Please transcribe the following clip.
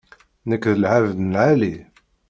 Nekk d lεebd n lεali.